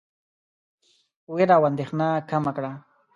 وېره او اندېښنه کمه کړه.